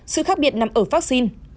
sự khác biệt nằm ở vaccine